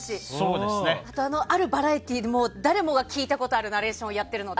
あるバラエティーで誰もが聞いたことがあるナレーションをやってるので。